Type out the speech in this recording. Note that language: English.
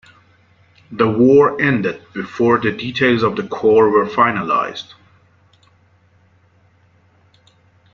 The war ended before the details of the corps were finalized.